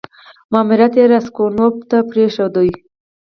ماموریت یې راسګونوف ته پرېښود.